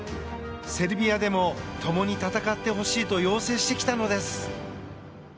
セルビアでも共に戦ってほしいと要請してきたのです。